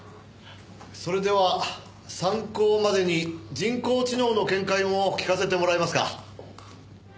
それでは参考までに人工知能の見解も聞かせてもらえますか？